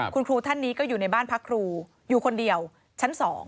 คุณครูท่านนี้ก็อยู่ในบ้านพักครูอยู่คนเดียวชั้น๒